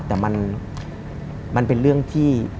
แต่มันเป็นเรื่องที่